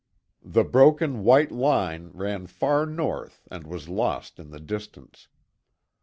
The broken white line ran far North and was lost in the distance.